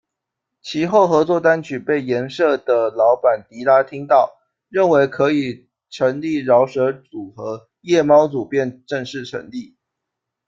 其后合作单曲被颜社的老板迪拉听到，认为可以成立饶舌组合，「夜猫组」便正式成立。